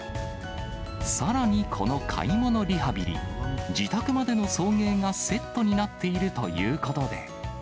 さらにこの買い物リハビリ、自宅までの送迎がセットになっているということで。